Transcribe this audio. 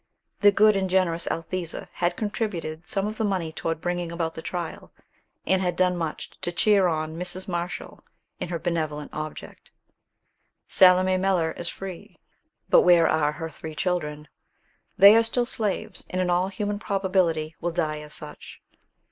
The good and generous Althesa had contributed some of the money toward bringing about the trial, and had done much to cheer on Mrs. Marshall in her benevolent object. Salome Miller is free, but where are her three children? They are still slaves, and in all human probability will die as such.